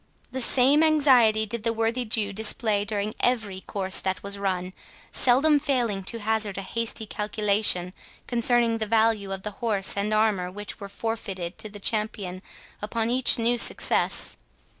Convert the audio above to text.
The same anxiety did the worthy Jew display during every course that was run, seldom failing to hazard a hasty calculation concerning the value of the horse and armour which was forfeited to the champion upon each new success.